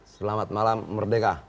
selamat malam merdeka